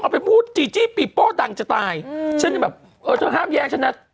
ไปพูดจีจี้ปีโป้ดังจะตายอืมฉันยังแบบเออเธอห้ามแย่งฉันนะ